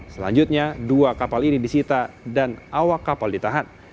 selanjutnya dua kapal ini disita dan awak kapal ditahan